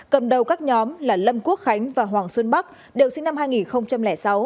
cầm đầu các nhóm là lâm quốc khánh và hoàng xuân bắc đều sinh năm hai nghìn sáu